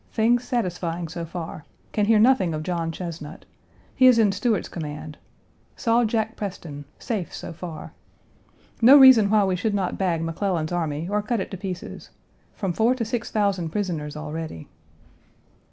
Things satisfying so far. Can hear nothing of John Chesnut. He is in Stuart's command. Saw Jack Preston; safe so far. No reason why we should not bag McClellan's army or cut it to pieces. From four to six thousand prisoners already."